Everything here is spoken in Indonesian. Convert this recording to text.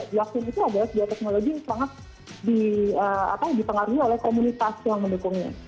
di vaksin itu adalah sebuah teknologi yang sangat dipengaruhi oleh komunitas yang mendukungnya